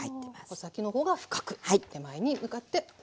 穂先のほうが深く手前に向かって浅く。